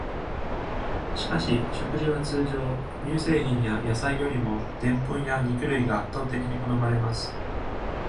しかし、食事は通常、乳製品や野菜よりもでんぷんや肉類が圧倒的に好まれます。